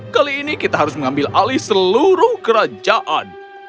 kali ini kita harus mengambil alih seluruh kerajaan